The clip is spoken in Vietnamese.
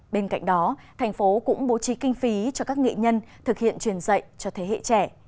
bên cạnh đó thành phố cũng bố trí kinh phí cho các nghệ nhân thực hiện truyền dạy cho thế hệ trẻ